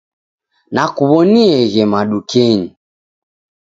Nakuw'onieghe madukenyi.